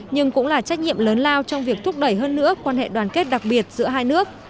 nhưng cũng là trách nhiệm lớn lao trong việc thúc đẩy hơn nữa quan hệ đoàn kết đặc biệt giữa hai nước